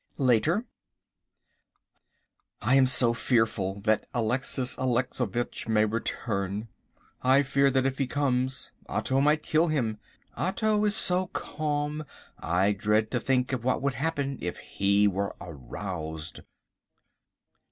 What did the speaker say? Later. I am so fearful that Alexis Alexovitch may return. I fear that if he comes Otto might kill him. Otto is so calm, I dread to think of what would happen if he were aroused.